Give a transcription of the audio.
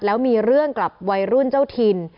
แล้วมีเรื่องกับวัยรุ่นเจ้าถิ่น